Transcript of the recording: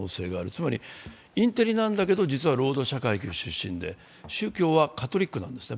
つまりインテリなんだけど実は労働者階級出身で宗教はカトリックなんですね。